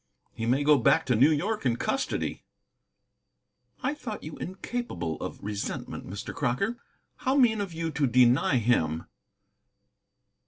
He may go back to New York in custody." "I thought you incapable of resentment, Mr. Crocker. How mean of you to deny him!"